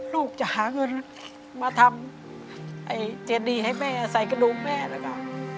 ลูกจะหาเงินมาทำเจดีให้แม่ใส่กระดูกแม่แล้วก็